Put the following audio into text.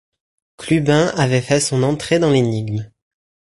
Clubin avait fait son entrée dans l’énigme.